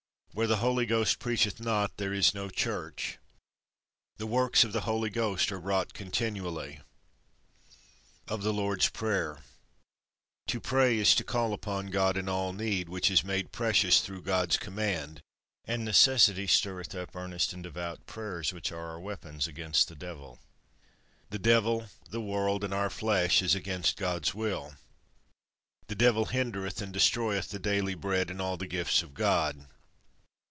Where the Holy Ghost preacheth not, there is no Church. The works of the Holy Ghost are wrought continually. Of the Lord's Prayer. To pray is to call upon God in all need, which is made precious through God's command, and necessity stirreth up earnest and devout prayers, which are our weapons against the devil. The devil, the world, and our flesh is against God's Will. The devil hindereth and destroyeth the daily bread and all the gifts of God.